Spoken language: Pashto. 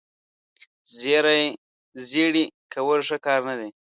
زیړې کول ښه کار نه دی.